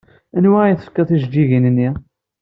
Anwa ay tefkid tijeǧǧigin-nni?